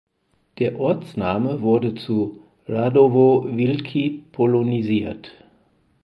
Der Ortsname wurde zu „Radowo Wielkie“ polonisiert.